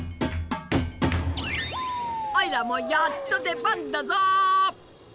おいらもやっと出番だぞ。